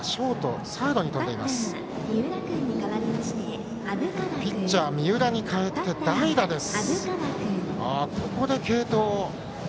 そしてピッチャー三浦に代えて代打です。